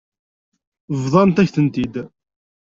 Bḍant-ak-ten-id.